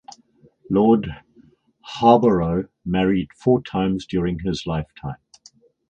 Lord Harborough married four times during his lifetime.